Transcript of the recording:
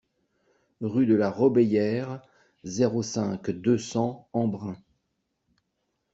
Rue de la Robéyère, zéro cinq, deux cents Embrun